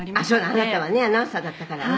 「あなたはねアナウンサーだったから」